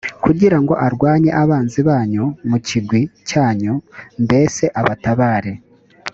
kugira ngo arwanye abanzi banyu mu kigwi cyanyu, mbese abatabare.»